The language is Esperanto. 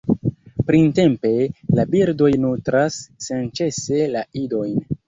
Printempe, la birdoj nutras senĉese la idojn.